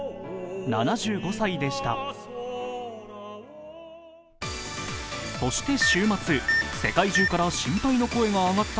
７５歳でした。